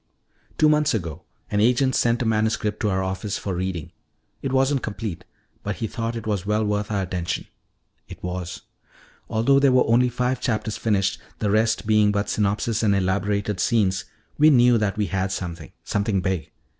Two months ago an agent sent a manuscript to our office for reading. It wasn't complete, but he thought it was well worth our attention. It was. "Although there were only five chapters finished, the rest being but synopsis and elaborated scenes, we knew that we had something something big.